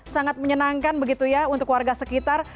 sangat menyenangkan begitu ya untuk warga sekitar